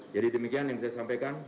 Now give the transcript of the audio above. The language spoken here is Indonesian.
jadi demikian yang saya sampaikan